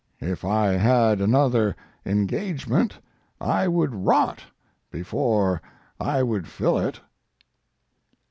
If I had another engagement I would rot before I would fill it.